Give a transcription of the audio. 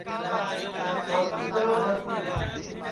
سانتی کرو سانتی